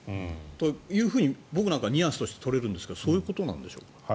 そういうふうに僕なんかはニュアンスとして取れるんですがそういうことでしょ？